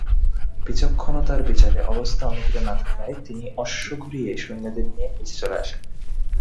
বিচক্ষণতার বিচারে অবস্থা অনুকূলে না থাকায় তিনি অশ্ব ঘুরিয়ে সৈন্যদের নিয়ে নিচে চলে আসেন।